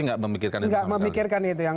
nggak memikirkan itu sama kalah nggak memikirkan itu